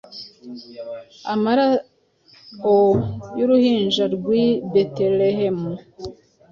Amarao yuruhinja rwi Betelehemu